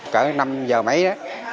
cả năm giờ mấy đó